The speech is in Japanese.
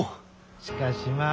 しかしまあ